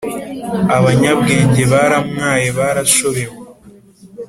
Abanyabwenge baramwaye barashobewe